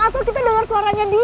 atau kita denger suaranya dia